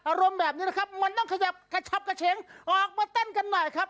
อารมณ์แบบนี้นะครับมันต้องขยับกระชับกระเฉงออกมาเต้นกันหน่อยครับ